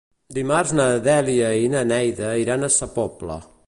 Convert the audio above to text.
Dimarts na Dèlia i na Neida iran a Sa Pobla.